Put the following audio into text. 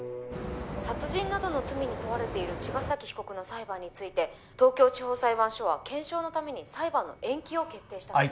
殺人などの罪に問われている茅ヶ崎被告の裁判について東京地方裁判所は検証のために裁判の延期を決定したそうです